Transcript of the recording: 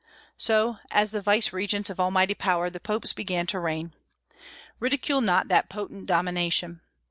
So, as the vicegerents of Almighty power, the popes began to reign. Ridicule not that potent domination.